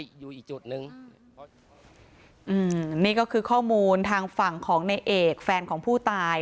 อยู่อีกจุดหนึ่งอืมนี่ก็คือข้อมูลทางฝั่งของในเอกแฟนของผู้ตาย